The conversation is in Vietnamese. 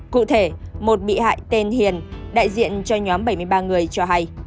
cụ thể một bị hại tên hiền đại diện cho nhóm bảy mươi ba người cho hay